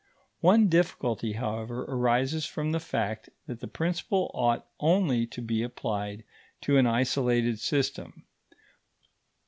One difficulty, however, arises from the fact that the principle ought only to be applied to an isolated system.